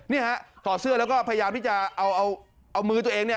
นี่ฮะถอดเสื้อแล้วก็พยายามที่จะเอามือตัวเองเนี่ย